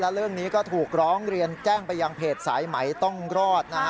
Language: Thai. เรื่องนี้ก็ถูกร้องเรียนแจ้งไปยังเพจสายไหมต้องรอดนะฮะ